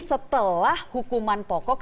setelah hukuman pokok